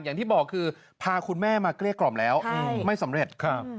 อย่างที่บอกคือพาคุณแม่มาเกลี้ยกล่อมแล้วไม่สำเร็จ